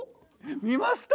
見ました。